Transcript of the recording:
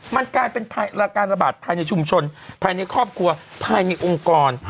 มันกลายเป็นการระบาดภายในชุมชนภายในครอบครัวภายในองค์กร